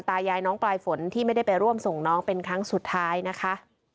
ตายายน้องปลายฝนที่ไม่ได้ไปร่วมส่งน้องเป็นครั้งสุดท้ายนะคะ